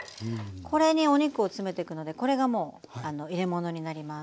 これにお肉を詰めてくのでこれがもう入れ物になります。